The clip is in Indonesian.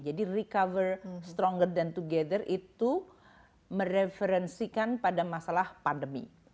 jadi recover stronger than together itu mereferensikan pada masalah pandemi